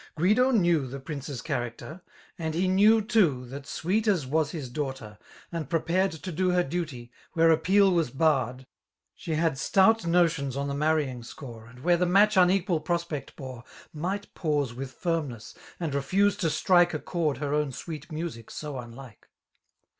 Guido knew The prinJBe's character; and he knew too* That sweet as was his daughter > and prepared To do \kT duty> where appeal w«6 bafffd» She had stout notioiis on the ikMurryiiig tcore. And where the .match uiieqMl piospeot bo<e> ^ Might pause with firmness^ and refuee to itrike . A chord her own sweet music 00 Unlike.